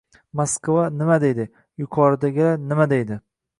Moskva nima deydi? Yuqoridagilar nima deydi?